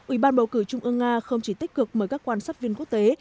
ủy ban bầu cử trung ương nga không chỉ tích cực mời các quan sát viên quốc tế